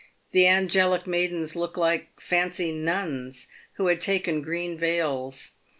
The angelic maidens looked like fancy nuns who had taken green veils.